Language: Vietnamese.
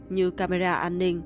như camera an ninh